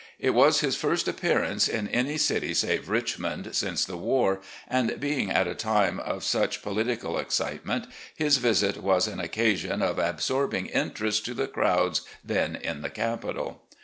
It was his first ap pearance in any city save Richmond since the war, and being at a time of such political excitement, his visit was an occasion of absorbing interest to the crowds then in the capital.